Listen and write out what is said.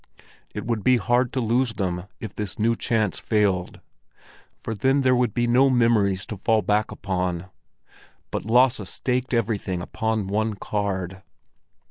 It would be hard to lose them if this new chance failed, for then there would be no memories to fall back upon. But Lasse staked everything upon one card.